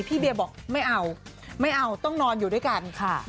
พี่เบียบอกไม่เอาไม่เอาต้องนอนอยู่ด้วยกันค่ะ